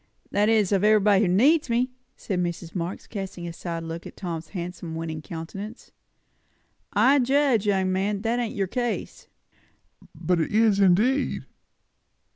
"That is, of everybody who needs me," said Mrs. Marx, casting a side look at Tom's handsome, winning countenance. "I judge, young man, that ain't your case." "But it is, indeed!"